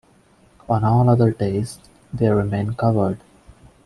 On all other days, they remain covered.